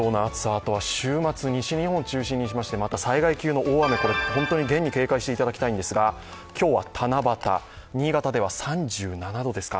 あとは、週末西日本を中心にしまして災害級の大雨厳に警戒していただきたいんですが、今日は七夕、新潟では３７度ですか。